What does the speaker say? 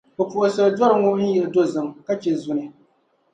Bɛ puɣisiri dɔri ŋɔ n-yihi dozim ka chɛ zuni.